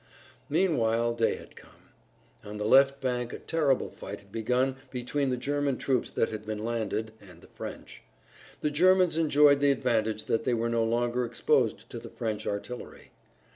Meanwhile day had come. On the left bank a terrible fight had begun between the German troops that had been landed, and the French. The Germans enjoyed the advantage that they were no longer exposed to the French artillery.